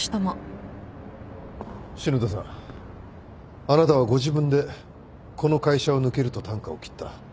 篠田さんあなたはご自分でこの会社を抜けるとたんかを切った。